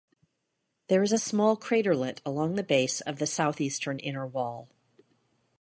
There is a small craterlet along the base of the southeastern inner wall.